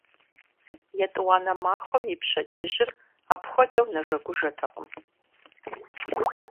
ЕтӀуанэ махуэм и пщэдджыжьыр апхуэдэу нэжэгужэтэкъым.